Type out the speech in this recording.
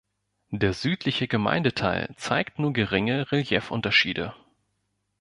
Der südliche Gemeindeteil zeigt nur geringe Reliefunterschiede.